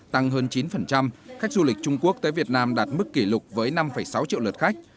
tăng hơn chín khách du lịch trung quốc tới việt nam đạt mức kỷ lục với năm sáu triệu lượt khách